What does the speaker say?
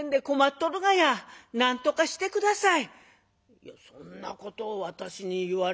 「いやそんなことを私に言われても」。